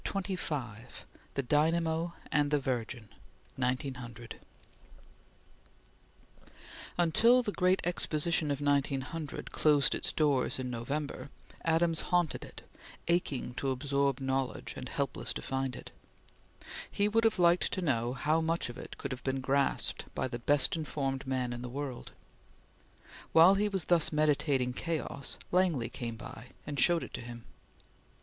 CHAPTER XXV THE DYNAMO AND THE VIRGIN (1900) UNTIL the Great Exposition of 1900 closed its doors in November, Adams haunted it, aching to absorb knowledge, and helpless to find it. He would have liked to know how much of it could have been grasped by the best informed man in the world. While he was thus meditating chaos, Langley came by, and showed it to him.